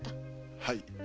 はい。